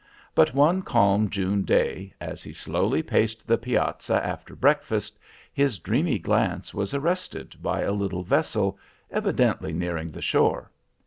But one calm June day, as he slowly paced the piazza after breakfast, his dreamy glance was arrested by a little vessel, evidently nearing the shore.